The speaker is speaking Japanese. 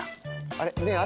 あれ？